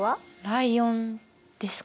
ライオンですか？